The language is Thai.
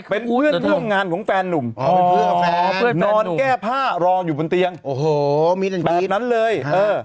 เป็นเพื่อนร่วมงานของแฟนนุ่มนอนแก้ผ้ารออยู่บนเตียงโอ้โหแบบนั้นเลย